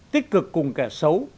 tích cực cùng kẻ xấu